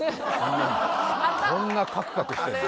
こんなカクカクしてるの？